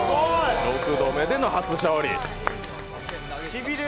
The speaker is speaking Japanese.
６度目での初勝利。